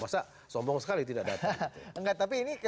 masa sombong sekali tidak datang